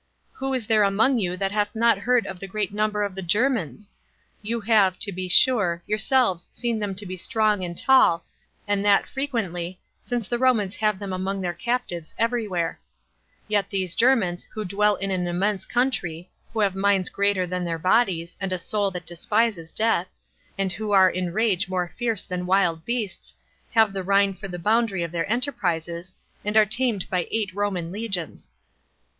Who is there among you that hath not heard of the great number of the Germans? You have, to be sure, yourselves seen them to be strong and tall, and that frequently, since the Romans have them among their captives every where; yet these Germans, who dwell in an immense country, who have minds greater than their bodies, and a soul that despises death, and who are in rage more fierce than wild beasts, have the Rhine for the boundary of their enterprises, and are tamed by eight Roman legions.